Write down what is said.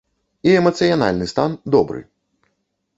І эмацыянальны стан добры!